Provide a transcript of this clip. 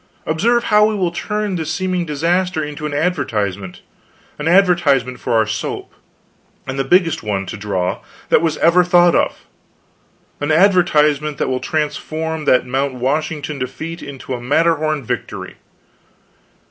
Observe how we will turn this seeming disaster into an advertisement; an advertisement for our soap; and the biggest one, to draw, that was ever thought of; an advertisement that will transform that Mount Washington defeat into a Matterhorn victory.